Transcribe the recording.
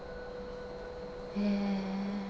へえ。